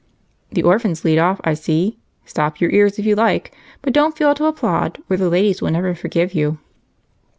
"The orphans lead off, I see. Stop your ears if you like, but don't fail to applaud or the ladies will never forgive you."